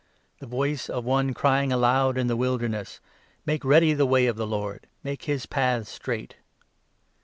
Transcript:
'The voice of one crying aloud in the Wilderness : 3 " Make ready the way of the Lord, Make his paths straight.'"